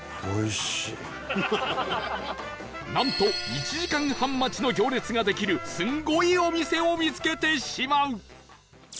なんと１時間半待ちの行列ができるすごいお店を見つけてしまう！